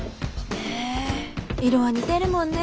へえー色は似てるもんね。